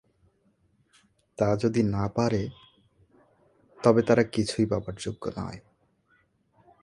তা যদি না পারে, তবে তারা কিছুই পাবার যোগ্য নয়।